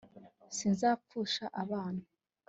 sinzapfusha abana